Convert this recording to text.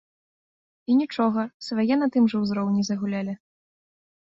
І нічога, свае на тым жа ўзроўні загулялі.